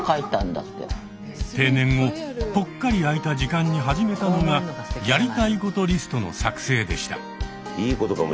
定年後ぽっかり空いた時間に始めたのがやりたいことリストの作成でした。